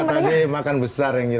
kita tadi makan besar yang gitu